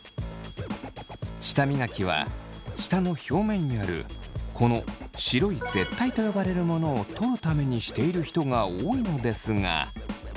舌磨きは舌の表面にあるこの白い舌苔と呼ばれるものを取るためにしている人が多いのですが。